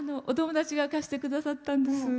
お友達が貸してくださったんです。